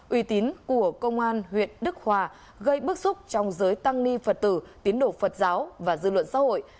uy tín của công an huyện đức hòa gây bức xúc trong giới tăng ni phật tử tiến độ phật giáo và dư luận xã hội